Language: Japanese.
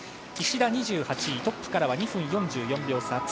石田、２８位トップから２分４４秒差。